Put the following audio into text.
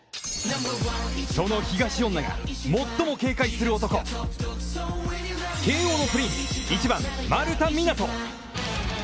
その東恩納が最も警戒する男慶応のプリンス・１番、丸田湊斗。